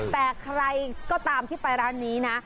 แต่ใครก็ตามที่ไปร้านนี้นะ